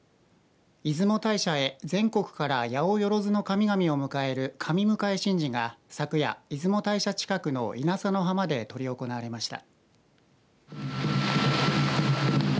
出雲大社へ全国からやおよろずの神々を迎える神迎神事が昨夜出雲大社近くの稲佐の浜まで執り行われました。